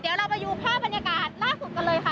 เดี๋ยวเราไปดูภาพบรรยากาศล่าสุดกันเลยค่ะ